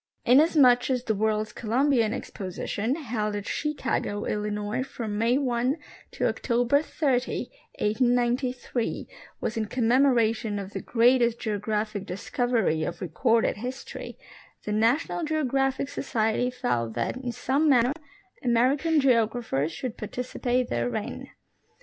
Inasmuch as the World's Columbian Exposition, held at Chicago, Illinois, from May 1 to October 30, 1893, was in com memoration of the greatest geographic discover}^ of recorded history, the National Geographic Society, felt that in some manner American geographers should participate therein.